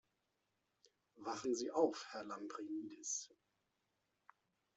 Wachen Sie auf, Herr Lambrinidis!